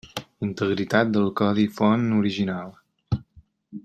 Integritat del codi font original.